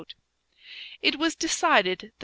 It was decided that M.